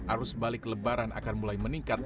arus balik lebaran akan mulai meningkat